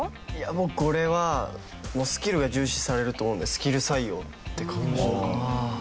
これはスキルが重視されると思うのでスキル採用って書きました。